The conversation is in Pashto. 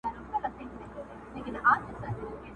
هم ساړه هم به باران وي څوک به ځای نه در کوینه!